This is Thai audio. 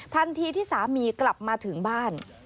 ทันทีที่สามีกลับมาถึงบ้าน